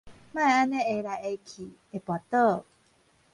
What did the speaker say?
莫按呢挨來挨去，會跋倒